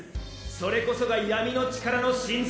それこそが闇の力の真髄。